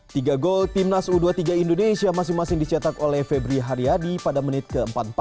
tiga gol timnas u dua puluh tiga indonesia masing masing dicetak oleh febri haryadi pada menit ke empat puluh empat